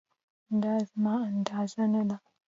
دا زما اندازه نه ده